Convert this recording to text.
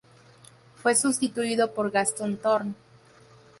Fue sustituido por Gaston Thorn.